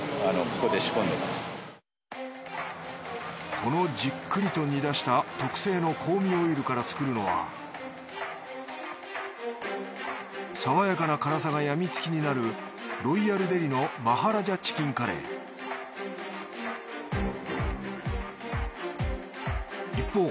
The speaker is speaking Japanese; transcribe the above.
このじっくりと煮出した特製の香味オイルから作るのはさわやかな辛さがやみつきになるロイヤルデリのマハラジャチキンカレー一方